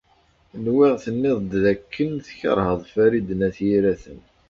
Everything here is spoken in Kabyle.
Nwiɣ tenniḍ-d dakken tkeṛheḍ Farid n At Yiraten.